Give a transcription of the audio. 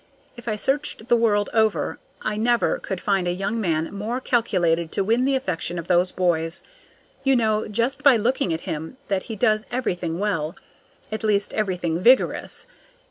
If I searched the world over, I never could find a young man more calculated to win the affection of those boys. You know, just by looking at him, that he does everything well, at least everything vigorous.